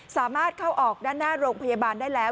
สามารถเข้าออกด้านหน้าโรงพยาบาลได้แล้ว